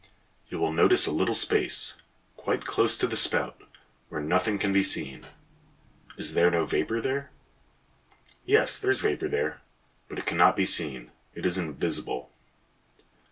You will notice a little space; quite close to the spout, where nothing can be seen. Is there no vapor there? Yes, there is vapor there, but it cannot be seen; it is invisible.